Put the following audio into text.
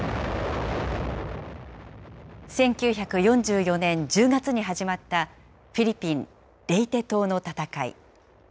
１９４４年１０月に始まった、フィリピン・レイテ島の戦い。